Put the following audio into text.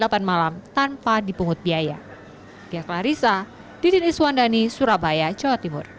pameran diperlukan delapan malam tanpa dipungut biaya